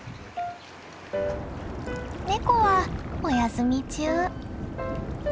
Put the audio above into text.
ネコはお休み中。